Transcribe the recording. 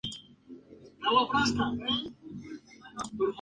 Experto en Salud Pública y Políticas de Salud.